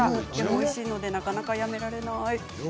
おいしいのでなかなかやめられない。